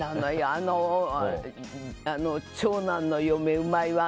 あの長男の嫁、うまいわ。